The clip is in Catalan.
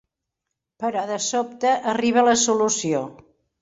Però de sobte arriba la solució.